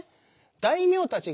大名たちがね